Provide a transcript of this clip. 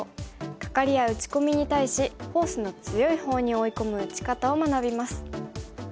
カカリや打ち込みに対しフォースの強いほうに追い込む打ち方を学びます。